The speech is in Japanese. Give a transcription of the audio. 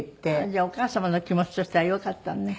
じゃあお母様の気持ちとしてはよかったのね。